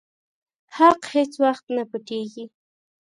حق هيڅ وخت نه پټيږي.